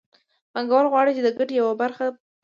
پانګوال غواړي چې د ګټې یوه برخه پانګه کړي